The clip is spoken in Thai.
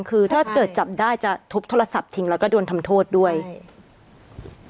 คือถ้าเกิดจับได้จะทุบโทรศัพท์ทิ้งแล้วก็โดนทำโทษด้วยใช่